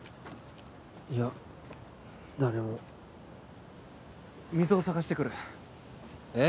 いや誰も水を探してくるえっ？